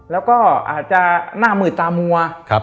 แล้วก็อาจจะหน้ามืดตามัว